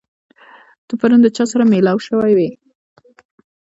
ته پرون د چا سره مېلاو شوی وې؟